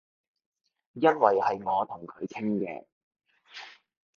因爲係我同佢傾嘅